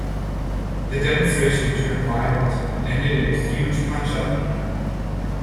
The demonstration turned violent, and ended in a huge punch-up